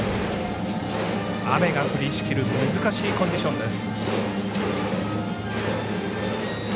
雨が降りしきる難しいコンディションです。